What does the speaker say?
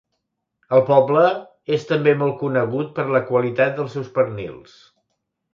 El poble és també molt conegut per la qualitat dels seus pernils.